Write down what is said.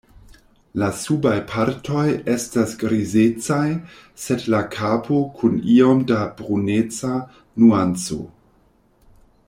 La subaj partoj estas grizecaj, sed la kapo kun iom da bruneca nuanco.